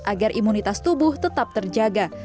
agar imunitas tubuh tetap terjaga